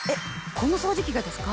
この掃除機がですか？